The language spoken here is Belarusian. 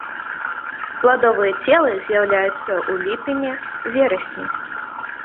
Пладовыя целы з'яўляюцца ў ліпені-верасні.